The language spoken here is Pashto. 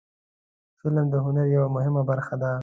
فلم د هنر یوه مهمه برخه ده